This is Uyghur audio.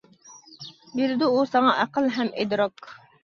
بېرىدۇ ئۇ ساڭا ئەقىل ھەم ئىدراك.